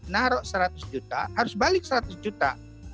naruh seratus juta harus balik seratus juta